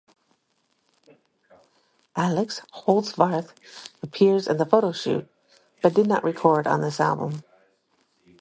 Alex Holzwarth appears in the photoshoot but did not record on this album.